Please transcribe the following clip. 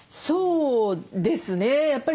そうですね。